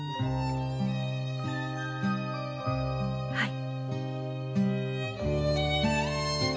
はい。